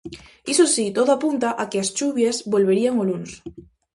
Iso si, todo apunta a que as chuvias volverían o luns.